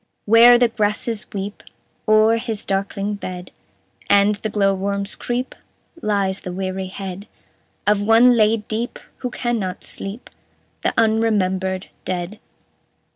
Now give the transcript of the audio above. "Where the grasses weep O'er his darkling bed, And the glow worms creep, Lies the weary head Of one laid deep, who cannot sleep: The unremembered dead."